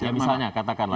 ya misalnya katakan lah